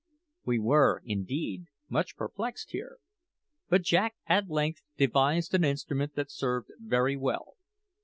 We were, indeed, much perplexed here; but Jack at length devised an instrument that served very well.